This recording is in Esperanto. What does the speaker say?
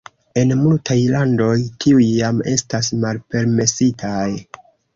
En multaj landoj tiuj jam estas malpermesitaj.